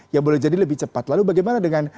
yang boleh jadi lebih cepat lalu bagaimana dengan